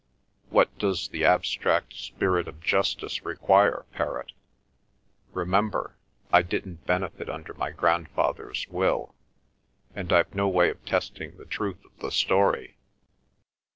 What does the abstract spirit of justice require, Perrott? Remember, I didn't benefit under my grandfather's will, and I've no way of testing the truth of the story."